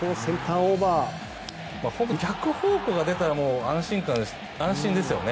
逆方向が出たらもう安心ですよね。